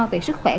về sức khỏe